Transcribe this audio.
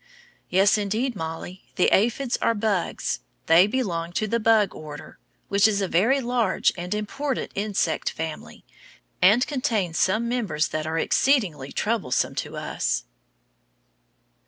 Yes, indeed, Mollie, the aphids are bugs. They belong to the bug order, which is a very large and important insect family, and contains some members that are exceedingly troublesome to us.